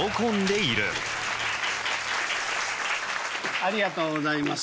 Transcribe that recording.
ありがとうございます。